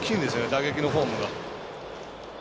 打撃のフォームが。